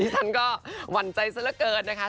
ฉันก็หวั่นใจซะละเกินนะคะ